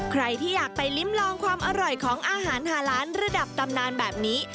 ใครที่อยากไปลิ้มลองความอร่อยของอาหารหาล้านระดับตำนานแบบนี้